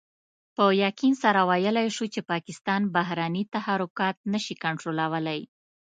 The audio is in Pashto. په يقين سره ويلای شو چې پاکستان بهرني تحرکات نشي کنټرولولای.